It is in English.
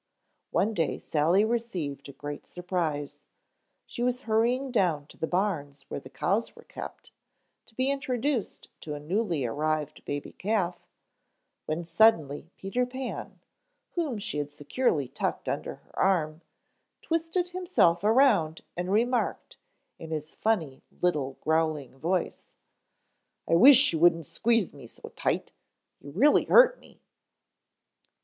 One day Sally received a great surprise. She was hurrying down to the barns where the cows were kept, to be introduced to a newly arrived baby calf, when suddenly Peter Pan, whom she had securely tucked under her arm, twisted himself around and remarked, in his funny little growling voice, "I wish you wouldn't squeeze me so tight. You really hurt me."